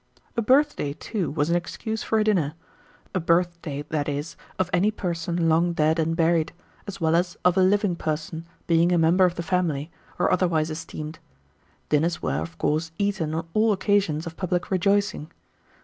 A birthday, too, was an excuse for a dinner; a birthday, that is, of any person long dead and buried, as well as of a living person, being a member of the family, or otherwise esteemed. Dinners were, of course, eaten on all occasions of public rejoicing.